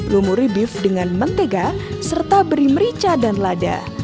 lumuri beef dengan mentega serta beri merica dan lada